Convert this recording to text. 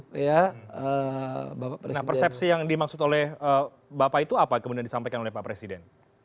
nah persepsi yang dimaksud oleh bapak itu apa kemudian disampaikan oleh pak presiden